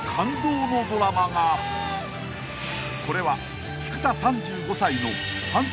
［これは］